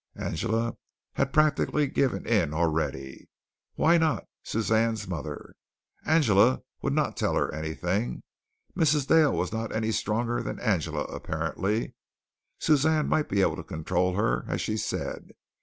Angela had practically given in already. Why not Suzanne's mother? Angela would not tell her anything. Mrs. Dale was not any stronger than Angela apparently. Suzanne might be able to control her as she said.